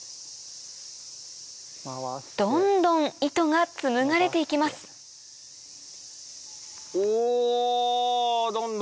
どんどん糸が紡がれて行きますおぉどんどん。